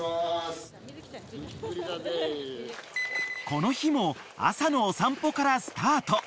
［この日も朝のお散歩からスタート］